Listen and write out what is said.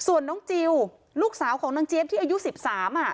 ส่วนน้องจิลลูกสาวของนางเจี๊ยบที่อายุสิบสามอ่ะ